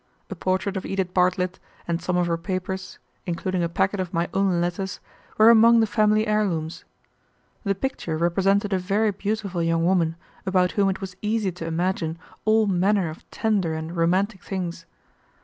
A portrait of Edith Bartlett and some of her papers, including a packet of my own letters, were among the family heirlooms. The picture represented a very beautiful young woman about whom it was easy to imagine all manner of tender and romantic things.